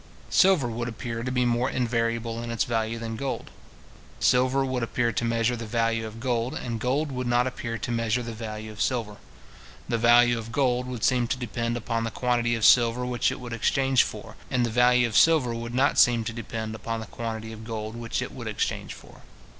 Silver would appear to be more invariable in its value than gold. Silver would appear to measure the value of gold, and gold would not appear to measure the value of silver. The value of gold would seem to depend upon the quantity of silver which it would exchange for, and the value of silver would not seem to depend upon the quantity of gold which it would exchange for.